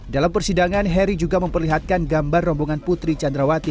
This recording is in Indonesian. dalam persidangan heri juga memperlihatkan gambar rombongan putri candrawati